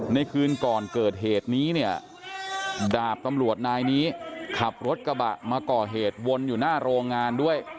ในคืนก่อนเกิดเหตุนี้เนี่ยดาบตำรวจนายนี้ขับรถกระบะมาก่อเหตุวนอยู่หน้าโรงงานด้วย